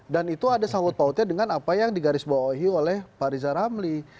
dan itu ada sanggup pautnya dengan apa yang digarisbawahi oleh pak riza ramli